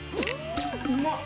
うまっ。